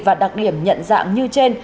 và đặc điểm nhận dạng như trên